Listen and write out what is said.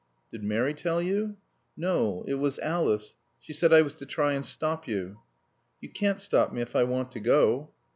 "Did Mary tell you?" "No. It was Alice. She said I was to try and stop you." "You can't stop me if I want to go."